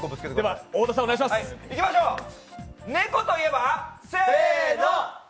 ネコといえば、せーの！